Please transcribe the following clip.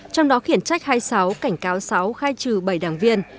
trong đó khiển trách hai mươi sáu cảnh cáo sáu khai trừ bảy đảng viên